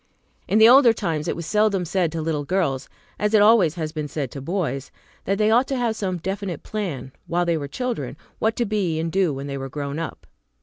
In the older times it was seldom said to little girls, as it always has been said to boys, that they ought to have some definite plan, while they were children, what to be and do when they were grown up.